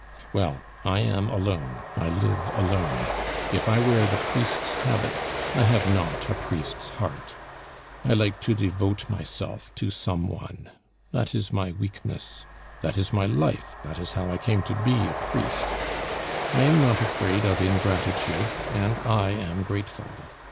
"Well, I am alone, I live alone. If I wear the priest's habit, I have not a priest's heart. I like to devote myself to some one; that is my weakness. That is my life, that is how I came to be a priest. I am not afraid of ingratitude, and I am grateful.